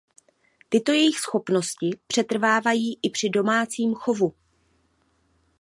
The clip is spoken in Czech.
Tyto jejich schopnosti přetrvávají i při domácím chovu.